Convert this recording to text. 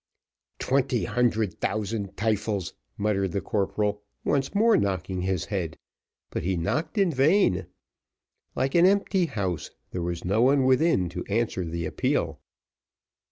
"Twenty hundred tousand tyfels!" muttered the corporal, once more knocking his head: but he knocked in vain; like an empty house, there was no one within to answer the appeal.